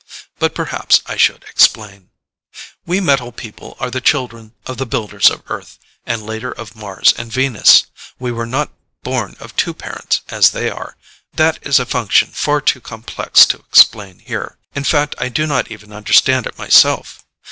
But perhaps I should explain. We metal people are the children of the Builders of Earth, and later of Mars and Venus. We were not born of two parents, as they are. That is a function far too complex to explain here; in fact I do not even understand it myself.